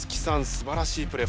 すばらしいプレー。